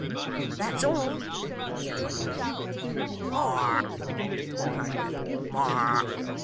'That's all,' said Barnaby. 'More!' cried Grip. 'More!